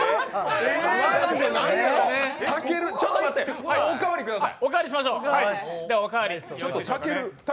ちょっと待って、おかわりください！